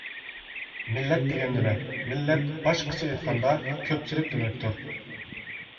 مىللەت دېگەن نېمە؟ مىللەت باشقىچە ئېيتقاندا كۆپچىلىك دېمەكلىكتۇر.